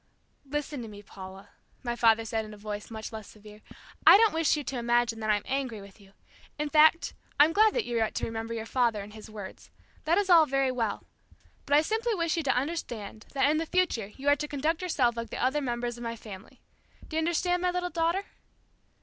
"Listen to me, Paula," my father said in a voice much less severe; "I don't wish you to imagine that I'm angry with you. In fact, I'm glad that you want to remember your father and his words. That is all very well. But I simply wish you to understand that in the future you are to conduct yourself like the other members of my family. Do you understand, my little daughter?"